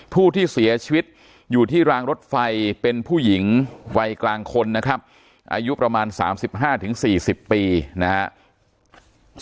ผู้ที่เสียชีวิตอยู่ที่รางรถไฟเป็นผู้หญิงวัยกลางคนนะครับอายุประมาณสามสิบห้าถึงสี่สิบปีนะฮะ